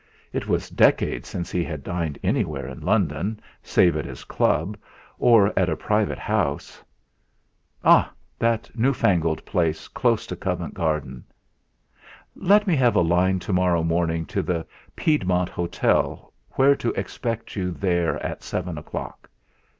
It was decades since he had dined anywhere in London save at his Club or at a private house. Ah! that new fangled place close to Covent Garden.... "Let me have a line to morrow morning to the Piedmont Hotel whether to expect you there at 7 o'clock."